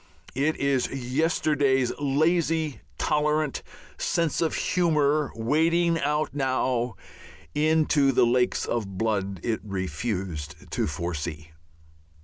It is yesterday's lazy, tolerant, "sense of humour" wading out now into the lakes of blood it refused to foresee.